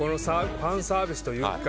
ファンサービスというか。